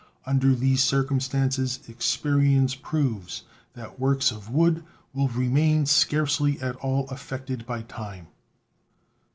Under these circumstances experience proves that works of wood will remain scarcely at all affected by time.